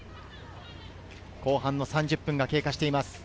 後半３０分が経過しています。